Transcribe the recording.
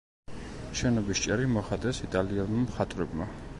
შენობის ჭერი მოხატეს იტალიელმა მხატვრებმა.